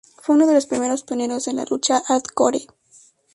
Fue uno de los primeros pioneros en la lucha Hardcore.